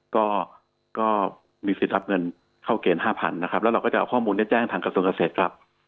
ก็ก็มีสิทธิ์รับเงินเข้าเกณฑ์๕๐๐๐นะครับแล้วเราก็จะเอาข้อมูลนี้แจ้งทางกระทรวงเกษตรครับ